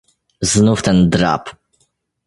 "Znów ten drab."